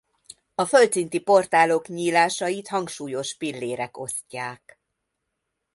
A földszinti portálok nyílásait hangsúlyos pillérek osztják.